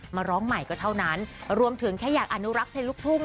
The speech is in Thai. มาร้องใหม่ก็เท่านั้นรวมถึงแค่อยากอนุรักษ์เพลงลูกทุ่ง